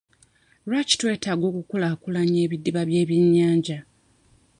Lwaki twetaaga okukulaakulanya ebidiba by'ebyennyanja?